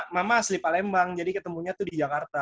mama asli palembang jadi ketemunya tuh di jakarta